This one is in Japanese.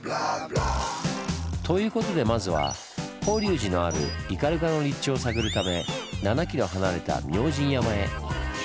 ということでまずは法隆寺のある斑鳩の立地を探るため７ｋｍ離れた明神山へ。